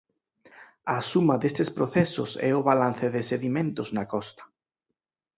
A suma destes procesos é o balance de sedimentos na costa.